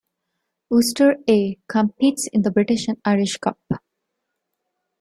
Ulster "A" competes in the British and Irish Cup.